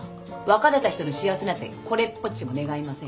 別れた人の幸せなんてこれっぽっちも願いません。